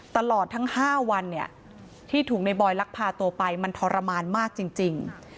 ตลอดทั้ง๕วันเนี่ยที่ถูกในบอยลักพาตัวไปมันทรมานมากจริง